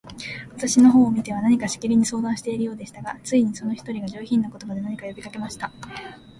私の方を見ては、何かしきりに相談しているようでしたが、ついに、その一人が、上品な言葉で、何か呼びかけました。